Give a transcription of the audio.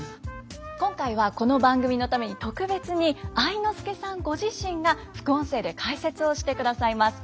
今回はこの番組のために特別に愛之助さんご自身が副音声で解説をしてくださいます。